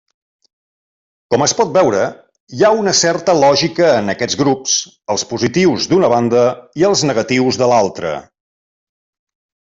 Com es pot veure, hi ha una certa lògica en aquests grups, els positius, d'una banda, i els negatius de l'altra.